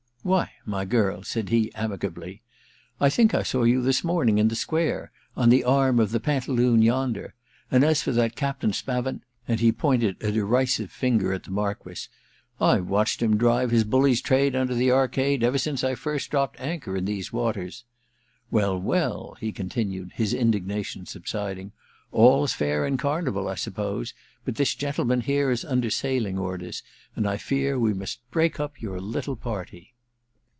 * Why, my girl/ said he, amicably, * I think I saw you this morning in the square, on the arm of the Pantaloon yonder ; and as for that dptain Spavent —* and he pointed a derisive finger at the Marquess —* I've watched him drive his bully's trade under the arcade ever since I first dropped anchor in these waters. Well, well,' he continued, his indignation sub siding, * all's fair in Carnival, I suppose, but this gentleman here is under sailing orders, and I rear we must break up your litde party.'